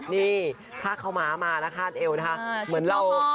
นี่พระเขาหมามานะคะเดี๋ยวนะคะเหมือนเรา